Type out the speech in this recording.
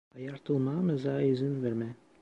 Ayartılmamıza izin verme.